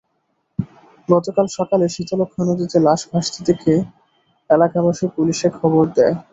গতকাল সকালে শীতলক্ষ্যা নদীতে লাশ ভাসতে দেখে এলাকাবাসী পুলিশে খবর দেয়।